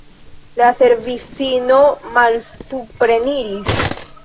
La servistino malsupreniris.